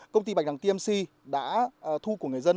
công ty bạch đằng tmc đã thu của người dân